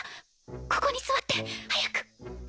ここに座って！早く！